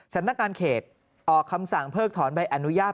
สนักการณ์เขตออกคำสั่งเผลอถอนใบอนุญาต